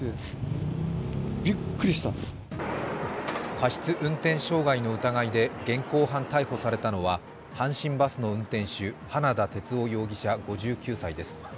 過失運転傷害の疑いで現行犯逮捕されたのは阪神バスの運転手、花田哲男容疑者５９歳です。